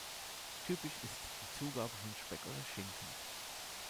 Typisch ist die Zugabe von Speck oder Schinken.